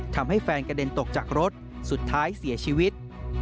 ทำให้แฟนกระเด็นตกจากรถสุดท้ายเสียชีวิต